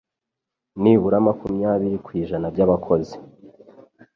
Nibura makumyabiri kwijana by'abakozi